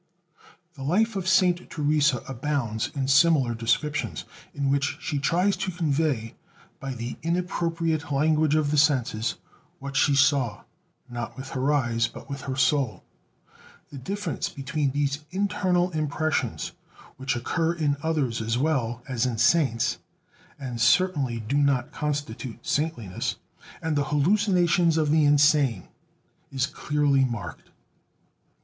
The Life of Saint Teresa abounds in similar descriptions, in which she tries to convey, by the inappropriate language of the senses, what she saw, not with her eyes, but with her soul. The difference between these internal impressions, which occur in others as well as in saints (and certainly do not constitute saintliness), and the hallucinations of the insane, is clearly marked.